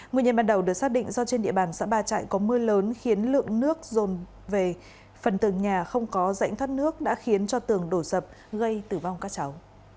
nguyên nhân ban đầu được xác định do trên địa bàn xã ba trại có mưa lớn khiến lượng nước rồn về phần tường nhà không có rãnh thoát nước đã khiến cho tường đổ sập gây tử vong các cháu